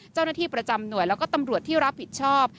เจ้าหน้าที่ประจำหน่วยแล้วก็ตำรวจที่รับผิดชอบ